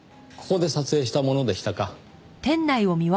ここで撮影したものでしたか。